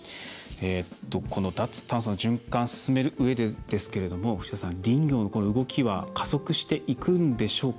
この脱炭素の循環を進めるうえでですけれども藤田さん、林業の動きは加速していくんでしょうか？